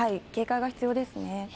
警戒が必要ですね。